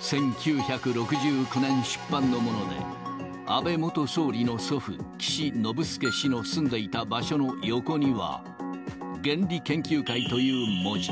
１９６９年出版のもので、安倍元総理の祖父、岸信介氏の住んでいた場所の横には、原理研究会という文字。